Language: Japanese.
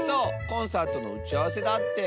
コンサートのうちあわせだって。